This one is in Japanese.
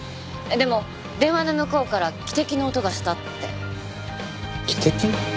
でも電話の向こうから汽笛の音がしたって。